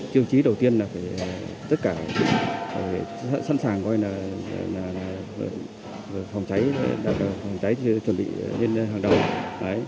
chiêu trí đầu tiên là phải tất cả sẵn sàng gọi là phòng cháy chuẩn bị lên hàng đầu